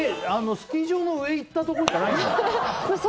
スキー場の上行ったところじゃないの？